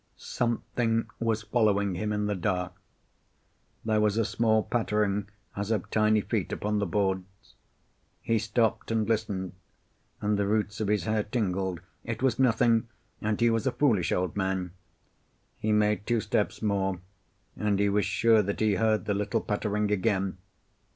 Something was following him in the dark. There was a small pattering, as of tiny feet upon the boards. He stopped and listened, and the roots of his hair tingled. It was nothing, and he was a foolish old man. He made two steps more, and he was sure that he heard the little pattering again.